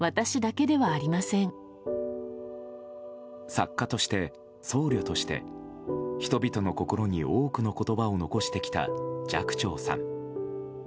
作家として、僧侶として人々の心に多くの言葉を残してきた寂聴さん。